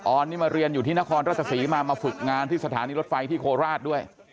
อนนี่มาเรียนอยู่ที่นครราชศรีมามาฝึกงานที่สถานีรถไฟที่โคราชด้วย